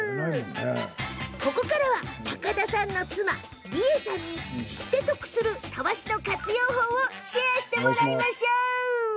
ここからは高田さんの妻・理恵さんに知って得するたわしの活用法をシェアしてもらいましょう。